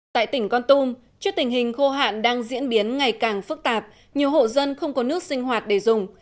tại tỉnh con tum trước tình hình khô hạn đang diễn biến ngày càng phức tạp nhiều hộ dân không có nước sinh hoạt để dùng